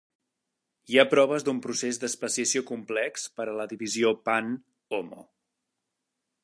Hi ha proves d'un procés d'especiació complex per a la divisió "Pan"-"Homo".